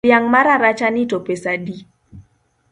Dhiang’ mararachani to pesadi?